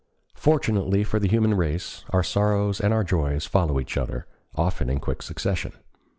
Fortunately for the human race, our sorrows and our joys follow each other, often in quick succession.